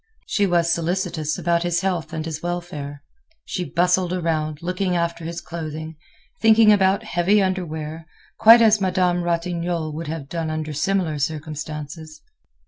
She was solicitous about his health and his welfare. She bustled around, looking after his clothing, thinking about heavy underwear, quite as Madame Ratignolle would have done under similar circumstances.